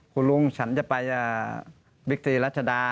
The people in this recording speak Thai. คุณลุงฉันจะไปบิ๊กตีรัชดา